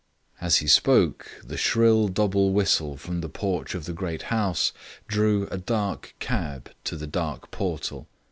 As he spoke the shrill double whistle from the porch of the great house drew a dark cab to the dark portal.